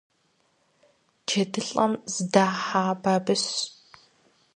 ДжэдылӀэм зыдахьа бабыщ.